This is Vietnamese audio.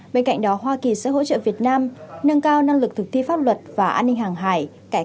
bên cạnh đó hoa kỳ sẽ hỗ trợ việt nam nâng cao năng lực thực thi pháp luật và an ninh hàng hải cải cách giáo dục